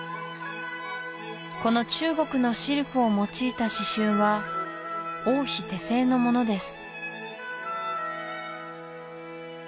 この中国のシルクを用いた刺繍は王妃手製のものです